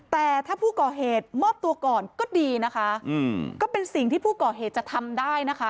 แต่ถ้าผู้ก่อเหตุมอบตัวก่อนก็ดีนะคะก็เป็นสิ่งที่ผู้ก่อเหตุจะทำได้นะคะ